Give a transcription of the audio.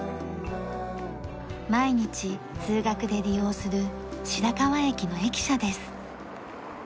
毎日通学で利用する白河駅の駅舎です。